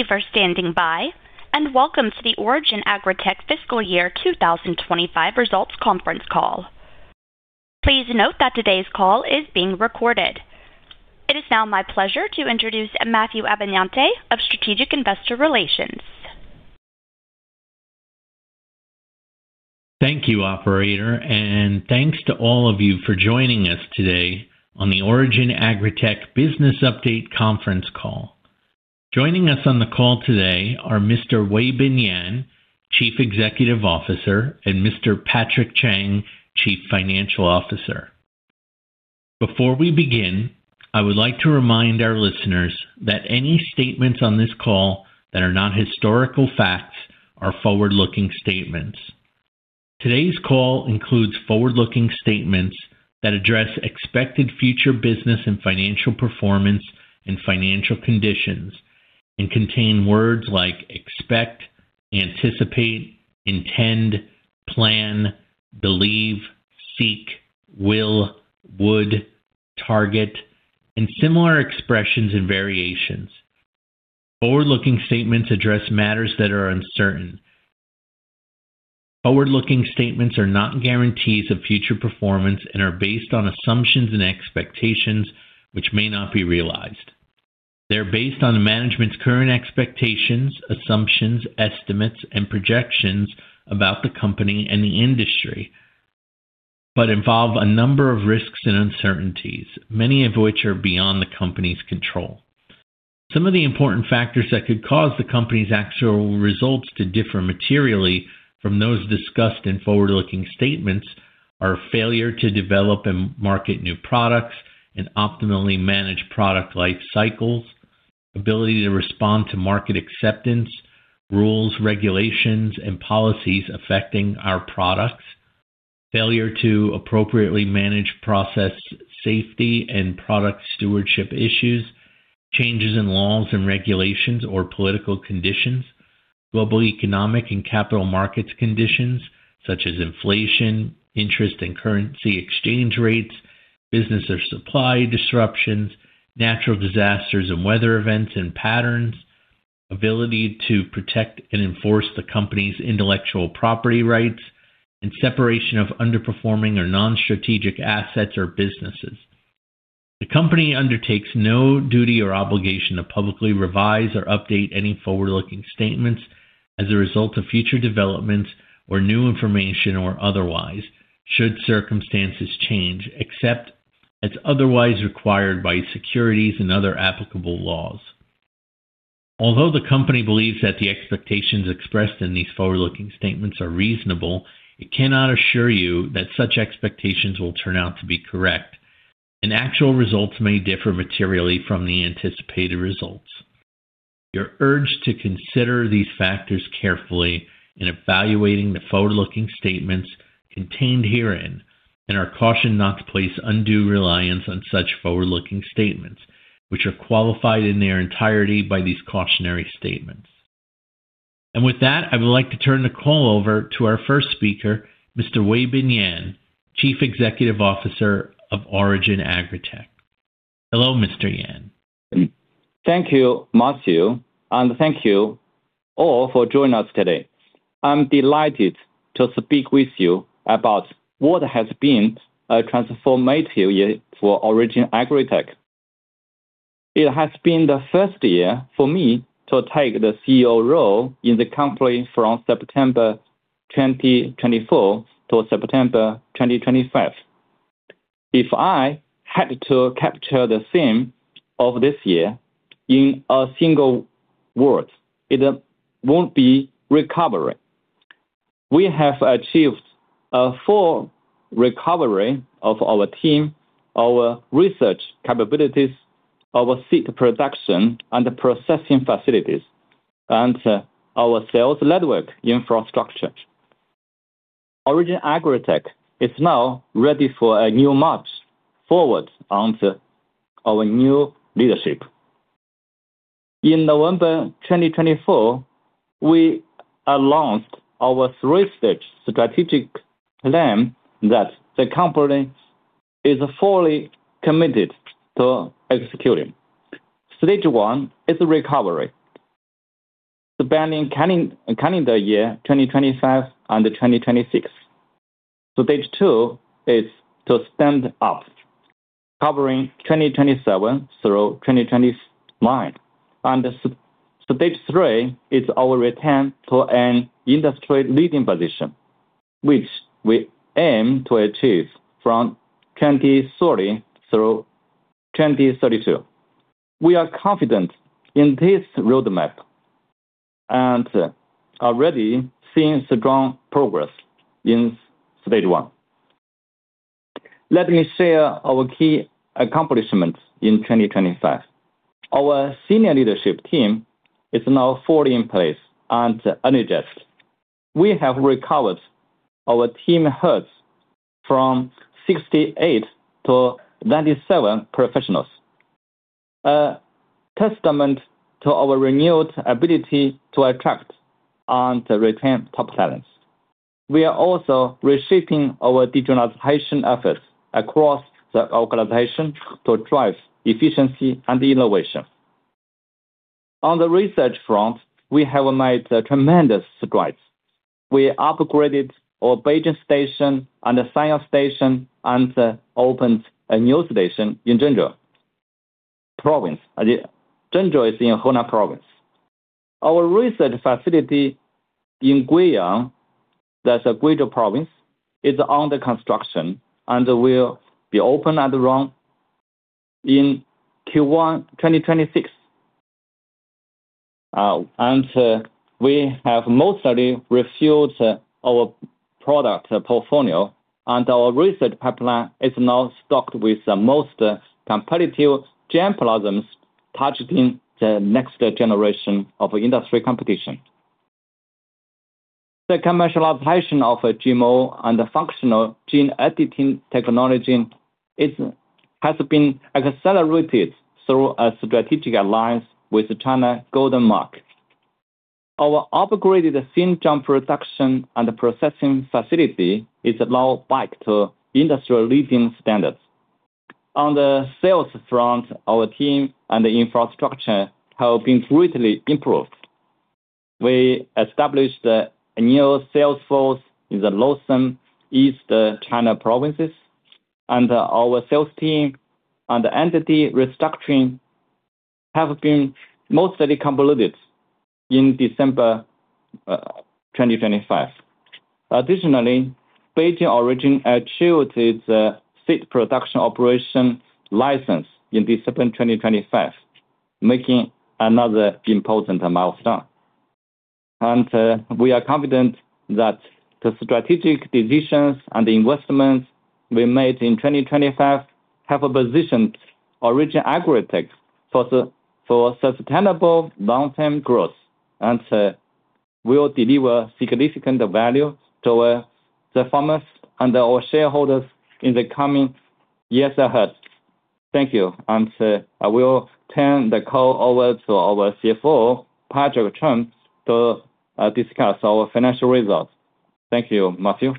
Thank you for standing by and welcome to the Origin Agritech fiscal year 2025 results conference call. Please note that today's call is being recorded. It is now my pleasure to introduce Matthew Abenante of Strategic Investor Relations. Thank you, Operator, and thanks to all of you for joining us today on the Origin Agritech Business Update conference call. Joining us on the call today are Mr. Weibin Yan, Chief Executive Officer, and Mr. Patrick Cheng, Chief Financial Officer. Before we begin, I would like to remind our listeners that any statements on this call that are not historical facts are forward-looking statements. Today's call includes forward-looking statements that address expected future business and financial performance and financial conditions and contain words like expect, anticipate, intend, plan, believe, seek, will, would, target, and similar expressions and variations. Forward-looking statements address matters that are uncertain. Forward-looking statements are not guarantees of future performance and are based on assumptions and expectations which may not be realized. They're based on management's current expectations, assumptions, estimates, and projections about the company and the industry, but involve a number of risks and uncertainties, many of which are beyond the company's control. Some of the important factors that could cause the company's actual results to differ materially from those discussed in forward-looking statements are failure to develop and market new products and optimally manage product life cycles, ability to respond to market acceptance, rules, regulations, and policies affecting our products, failure to appropriately manage process safety and product stewardship issues, changes in laws and regulations or political conditions, global economic and capital markets conditions such as inflation, interest, and currency exchange rates, business or supply disruptions, natural disasters and weather events and patterns, ability to protect and enforce the company's intellectual property rights, and separation of underperforming or non-strategic assets or businesses. The company undertakes no duty or obligation to publicly revise or update any forward-looking statements as a result of future developments or new information or otherwise, should circumstances change, except as otherwise required by securities and other applicable laws. Although the company believes that the expectations expressed in these forward-looking statements are reasonable, it cannot assure you that such expectations will turn out to be correct, and actual results may differ materially from the anticipated results. You're urged to consider these factors carefully in evaluating the forward-looking statements contained herein and are cautioned not to place undue reliance on such forward-looking statements which are qualified in their entirety by these cautionary statements. With that, I would like to turn the call over to our first speaker, Mr. Weibin Yan, Chief Executive Officer of Origin Agritech. Hello, Mr. Yan. Thank you, Matthew, and thank you all for joining us today. I'm delighted to speak with you about what has been transformative year for Origin Agritech. It has been the first year for me to take the CEO role in the company from September 2024 to September 2025. If I had to capture the theme of this year in a single word, it won't be recovery. We have achieved a full recovery of our team, our research capabilities, our seed production, and processing facilities, and our sales network infrastructure. Origin Agritech is now ready for a new march forward onto our new leadership. In November 2024, we announced our three-stage strategic plan that the company is fully committed to executing. Stage one is recovery, spanning calendar year 2025 and 2026. Stage two is to stand up, covering 2027 through 2029. Stage three is our return to an industry-leading position, which we aim to achieve from 2030 through 2032. We are confident in this roadmap and already seeing strong progress in stage one. Let me share our key accomplishments in 2025. Our senior leadership team is now fully in place and energized. We have recovered our headcount from 68 to 97 professionals, a testament to our renewed ability to attract and retain top talents. We are also reshaping our decentralization efforts across the organization to drive efficiency and innovation. On the research front, we have made tremendous strides. We upgraded our Beijing Station and the Sanya Station and opened a new station in Zhengzhou, Henan Province. Zhengzhou is in Henan Province. Our research facility in Guiyang, that's Guizhou Province, is under construction and will be opened in Q1 2026. We have mostly renewed our product portfolio, and our research pipeline is now stocked with the most competitive germplasm targeting the next generation of industry competition. The commercialization of GMO and functional gene editing technology has been accelerated through a strategic alliance with China Golden Marker. Our upgraded Xinjiang production and processing facility is now back to industry-leading standards. On the sales front, our team and the infrastructure have been greatly improved. We established a new sales force in the Northeast China, East China provinces, and our sales team and entity restructuring have been mostly concluded in December 2025. Additionally, Beijing Origin achieved its seed production operation license in December 2025, making another important milestone. We are confident that the strategic decisions and investments we made in 2025 have positioned Origin Agritech for sustainable long-term growth and will deliver significant value to the farmers and our shareholders in the coming years ahead. Thank you, and I will turn the call over to our CFO, Patrick Cheng, to discuss our financial results. Thank you, Matthew.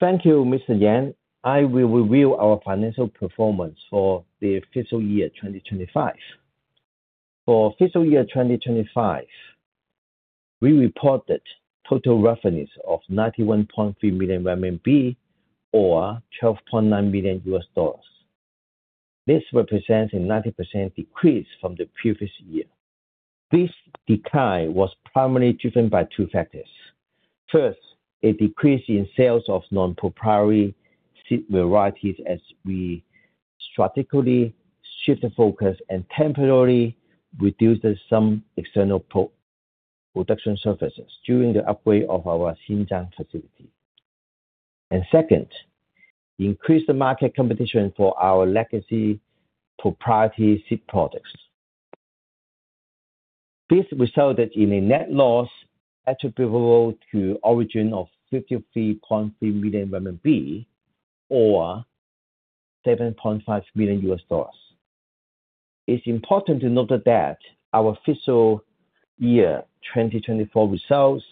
Thank you, Mr. Yan. I will review our financial performance for the fiscal year 2025. For fiscal year 2025, we reported total revenues of 91.3 million RMB or $12.9 million. This represents a 90% decrease from the previous year. This decline was primarily driven by two factors. First, a decrease in sales of non-proprietary seed varieties as we strategically shifted focus and temporarily reduced some external production services during the upgrade of our Xinjiang facility. Second, increased market competition for our legacy proprietary seed products. This resulted in a net loss attributable to Origin of 53.3 million or $7.5 million. It's important to note that our fiscal year 2024 results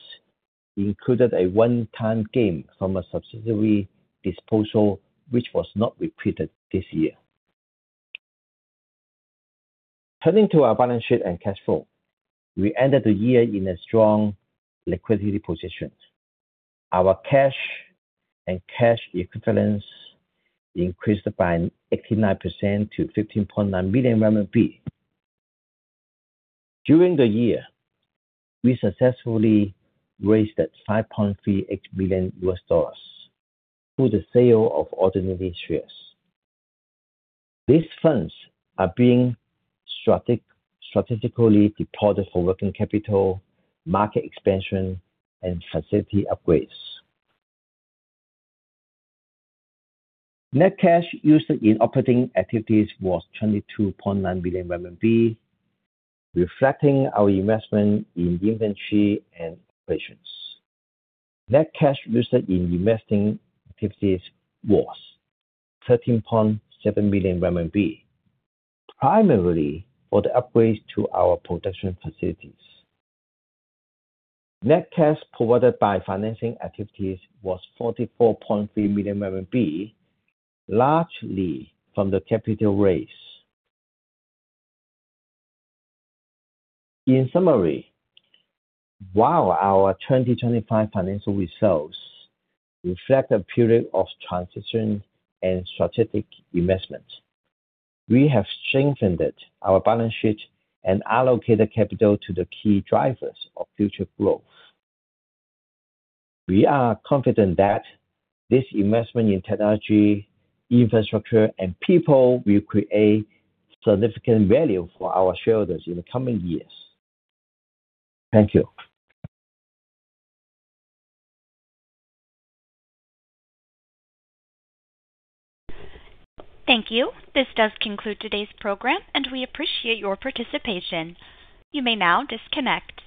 included a one-time gain from a subsidiary disposal, which was not repeated this year. Turning to our balance sheet and cash flow, we ended the year in a strong liquidity position. Our cash and cash equivalents increased by 89% to 15.9 million RMB. During the year, we successfully raised $5.38 million through the sale of ordinary shares. These funds are being strategically deposited for working capital, market expansion, and facility upgrades. Net cash used in operating activities was 22.9 million RMB, reflecting our investment in inventory and operations. Net cash used in investing activities was 13.7 million RMB, primarily for the upgrades to our production facilities. Net cash provided by financing activities was 44.3 million RMB, largely from the capital raise. In summary, while our 2025 financial results reflect a period of transition and strategic investment, we have strengthened our balance sheet and allocated capital to the key drivers of future growth. We are confident that this investment in technology, infrastructure, and people will create significant value for our shareholders in the coming years. Thank you. Thank you. This does conclude today's program, and we appreciate your participation. You may now disconnect.